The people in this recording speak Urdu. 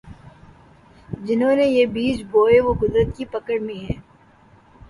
جنہوں نے یہ بیج بوئے وہ قدرت کی پکڑ میں ہیں۔